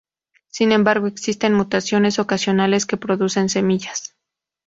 Sin embargo, existen mutaciones ocasionales que producen semillas.